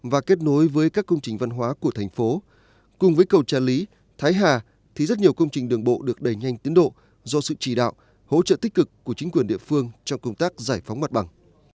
và kết nối với các công trình văn hóa của thành phố cùng với cầu trà lý thái hà thì rất nhiều công trình đường bộ được đẩy nhanh tiến độ do sự trì đạo hỗ trợ tích cực của chính quyền địa phương trong công tác giải phóng mặt bằng